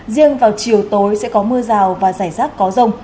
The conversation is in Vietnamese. riêng vào chiều tối sẽ có mưa rào và rải rác có rông